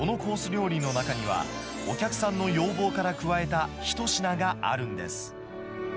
料理の中には、お客さんの要望から加えた一品があるんです。